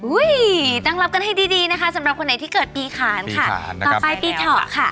ตั้งรับกันให้ดีดีนะคะสำหรับคนไหนที่เกิดปีขานค่ะต่อไปปีเถาะค่ะ